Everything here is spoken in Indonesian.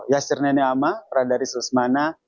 yasir nenek ama pradaris lusmana